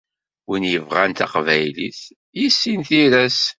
Win ibɣan taqbaylit, yissin tira-s.